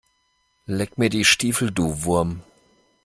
Leck mir die Stiefel, du Wurm!